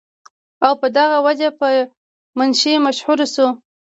او پۀ دغه وجه پۀ منشي مشهور شو ۔